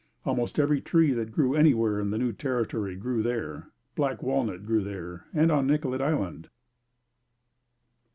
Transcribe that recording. Almost every tree that grew anywhere in the new territory grew there. Black walnut grew there and on Nicollet Island.